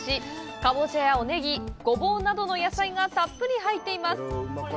かぼちゃやおねぎ、ごぼうなどの野菜がたっぷり入っています。